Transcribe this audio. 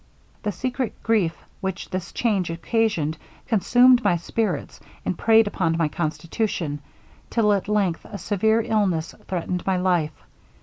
'The secret grief which this change occasioned, consumed my spirits, and preyed upon my constitution, till at length a severe illness threatened my life.